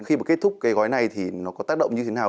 khi mà kết thúc cái gói này thì nó có tác động như thế nào